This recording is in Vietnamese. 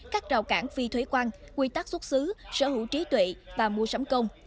các rào cản phi thuế quan quy tắc xuất xứ sở hữu trí tuệ và mua sắm công